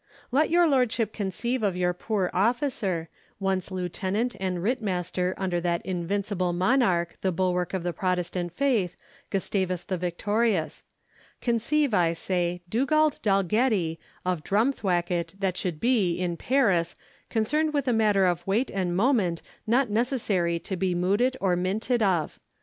Let your lordship conceive of your poor officer, once lieutenant and Rittmaster under that invincible monarch, the bulwark of the Protestant faith, Gustavus the Victorious; conceive, I say, Dugald Dalgetty, of Drumthwacket that should be, in Paris, concerned with a matter of weight and moment not necessary to be mooted or minted of.